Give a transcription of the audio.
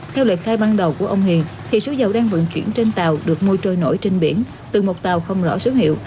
theo lệ thai ban đầu của ông hiền thì số dầu đang vận chuyển trên tàu được môi trôi nổi trên biển từ một tàu không rõ số hiệu